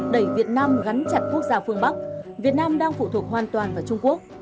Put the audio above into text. đẩy việt nam gắn chặt quốc gia phương bắc việt nam đang phụ thuộc hoàn toàn vào trung quốc